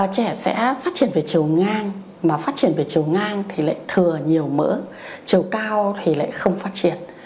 trẻ sẽ phát triển về chiều ngang mà phát triển về chiều ngang thì lại thừa nhiều mỡ chiều cao thì lại không phát triển